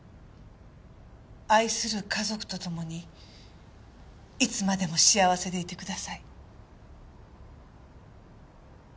愛する家族とともにいつまでも幸せでいてください。